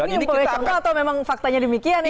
ini mumpamanya contoh atau memang faktanya demikian